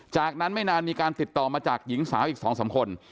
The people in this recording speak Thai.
จากนั้นไม่นานมีการติดต่อมาจากหญิงสาวอีก๒๓คน